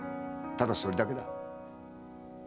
ただそれだけだ。